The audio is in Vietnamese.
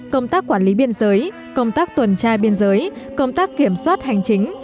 công tác quản lý biên giới công tác tuần trai biên giới công tác kiểm soát hành chính